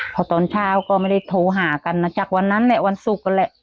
พอตอนเช้าก็ไม่ได้โทรหากันนะจากวันนั้นแหละวันศุกร์นั่นแหละ